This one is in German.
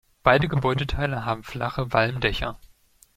Beide Gebäudeteile haben flache Walmdächer.